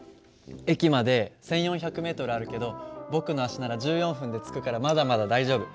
駅まで１，４００ｍあるけど僕の足なら１４分で着くからまだまだ大丈夫。